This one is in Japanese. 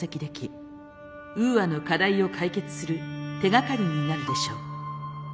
ウーアの課題を解決する手がかりになるでしょう。